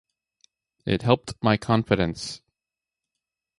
It helped my confidence.